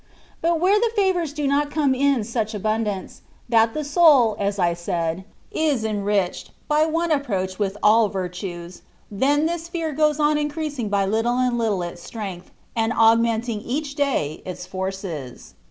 But where the favours do not come in such abundance, that the soul (as I said) is eni'iched, by one approach, with all virtues, then this fear goes on increasing by little and little its strength, and augmenting each day its forces.